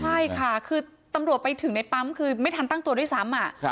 ใช่ค่ะคือตำรวจไปถึงในปั๊มคือไม่ทันตั้งตัวด้วยซ้ำ